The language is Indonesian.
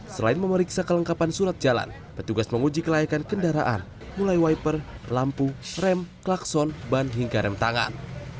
selain memeriksa kelengkapan surat jalan petugas menguji kelayakan kendaraan mulai wiper lampu rem klakson ban hingga rem tangan